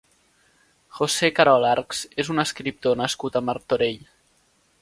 José Carol Archs és un escriptor nascut a Martorell.